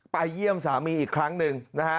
เยี่ยมสามีอีกครั้งหนึ่งนะฮะ